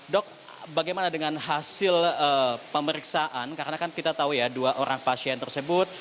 dok bagaimana dengan hasil pemeriksaan karena kan kita tahu ya dua orang pasien tersebut